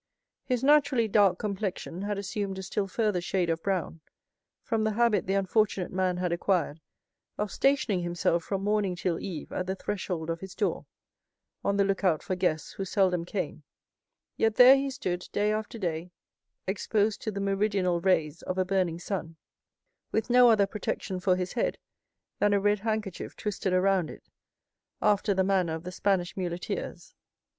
His naturally dark complexion had assumed a still further shade of brown from the habit the unfortunate man had acquired of stationing himself from morning till eve at the threshold of his door, on the lookout for guests who seldom came, yet there he stood, day after day, exposed to the meridional rays of a burning sun, with no other protection for his head than a red handkerchief twisted around it, after the manner of the Spanish muleteers.